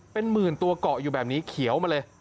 เป็นหมื่นตัวเกาะอยู่แบบนี้เขียวมาเลย